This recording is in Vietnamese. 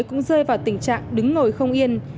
cũng rơi vào tình trạng đứng ngồi không yên